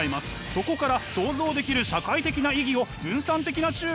そこから想像できる社会的な意義を分散的な注意で見つけてみましょう。